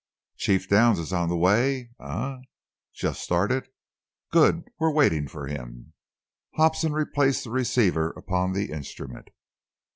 Chief Downs is on the way, eh? Just started? Good! We're waiting for him." Hobson replaced the receiver upon the instrument.